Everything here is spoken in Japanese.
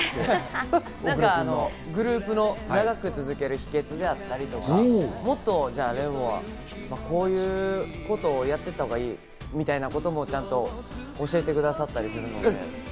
グループを長く続ける秘訣だったり、廉はもっとこういうことをやってったほうがいいみたいなことをちゃんと教えてくださったりするので。